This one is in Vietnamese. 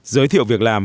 giới thiệu việc làm